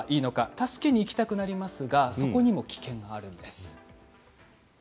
助けに行きたくなりますがそこにも危険があります。